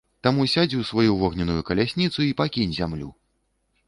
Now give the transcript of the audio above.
Таму сядзь у сваю вогненную калясніцу й пакінь зямлю!